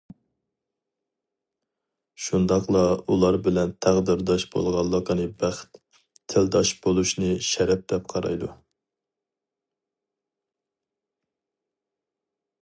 شۇنداقلا ئۇلار بىلەن تەقدىرداش بولغانلىقىنى بەخت، تىلداش بولۇشنى شەرەپ دەپ قارايدۇ.